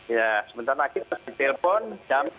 ya sebentar lagi terdipelpon jam tiga belas tiga puluh